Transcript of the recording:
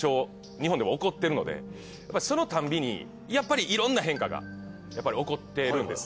日本でも起こってるのでそのたんびにやっぱりいろんな変化が起こってるんです。